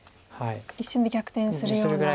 一瞬で逆転するような。